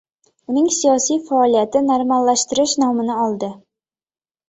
Uning siyosiy faoliyati “normallashtirish” nomini oldi